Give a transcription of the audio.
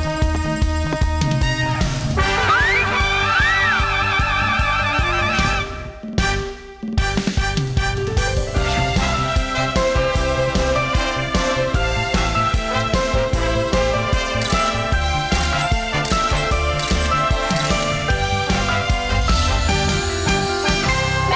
จากตรงงานที่วิทยุคุมครับ